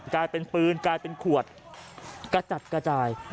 กลายเป็นปืนกลายเป็นขวดกระจัดกระจาย